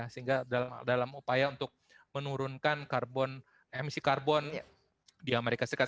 sehingga dalam upaya untuk menurunkan emisi karbon di amerika serikat